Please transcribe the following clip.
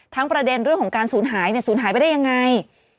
ทั้งประเด็นเรื่องของสูญหายด้วย